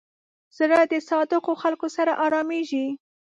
زړه د صادقو خلکو سره آرامېږي.